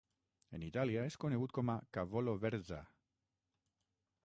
En Itàlia és conegut com a "cavolo verza".